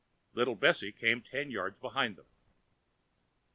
Little Bessy came ten yards behind them.